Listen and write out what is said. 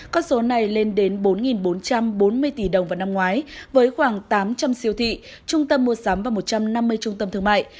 con số này lên đến bốn bốn trăm bốn mươi tỷ đồng vào năm ngoái với khoảng tám trăm linh siêu thị trung tâm mua sắm và một trăm năm mươi trung tâm thương mại